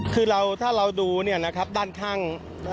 คือถ้าเราดูด้านข้าง